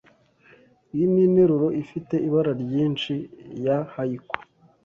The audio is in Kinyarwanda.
Iyi ninteruro, ifite ibara ryinshyi, ya haiku.